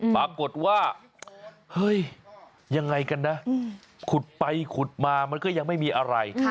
ปรากฏว่าเฮ้ยยังไงกันนะขุดไปขุดมามันก็ยังไม่มีอะไร